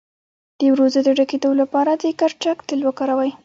د وروځو د ډکیدو لپاره د کرچک تېل وکاروئ